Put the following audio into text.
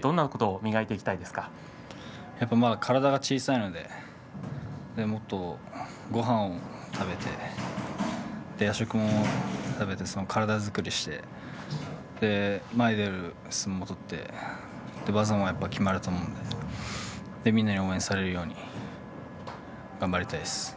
どんなことを体が小さいのでもっとごはんを食べて夜食も食べて体作りをして前に出る相撲を取って技もきまると思うのでみんなに応援されるように頑張りたいです。